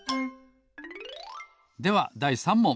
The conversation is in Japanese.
ではだい３もん。